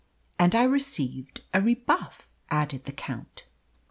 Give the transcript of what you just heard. "And I received a rebuff," added the Count.